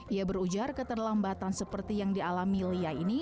ia berujar keterlambatan seperti yang dialami lia ini